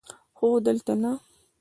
خو دلته نه!